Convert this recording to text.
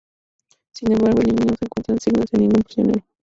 Sin embargo, el niño no encuentra signos de ningún prisionero.